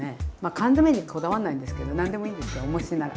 缶詰にこだわんないんですけど何でもいいんですよおもしなら。